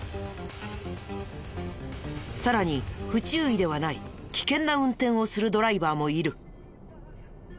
さらに不注意ではない危険な運転をするドライバーもいる。